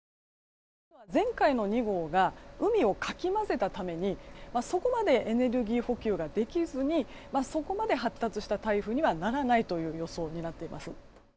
前回の２号が海をかき混ぜたためにそこまでエネルギー補給ができずにそこまで発達した台風にはならない予想になっています。